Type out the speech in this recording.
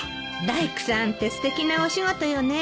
大工さんってすてきなお仕事よね。